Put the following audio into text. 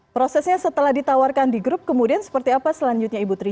prosesnya setelah ditawarkan di grup kemudian seperti apa selanjutnya ibu tri